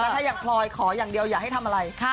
ถ้าอย่างพลอยขออย่างเดียวอย่าให้ทำอะไร